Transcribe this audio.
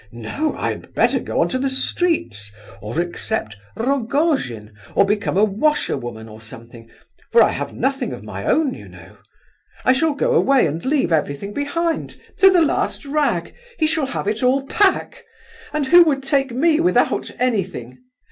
No! I had better go on to the streets, or accept Rogojin, or become a washerwoman or something—for I have nothing of my own, you know. I shall go away and leave everything behind, to the last rag—he shall have it all back. And who would take me without anything?